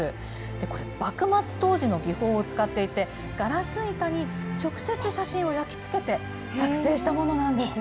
これ、幕末当時の技法を使っていて、ガラス板に直接写真を焼きつけて作製したものなんですよ。